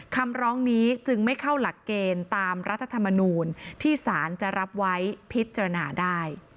คำร้องนี้จึงไม่เข้าหลักเกณฑ์ตามรัฐธรรมนูลที่สารจะรับไว้พิจารณาได้